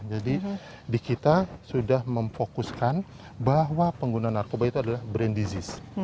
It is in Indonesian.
jadi di kita sudah memfokuskan bahwa pengguna narkoba itu adalah brain disease